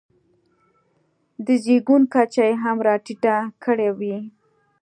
د زېږون کچه یې هم راټیټه کړې وي.